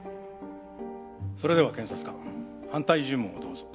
それでは検察官反対尋問をどうぞ。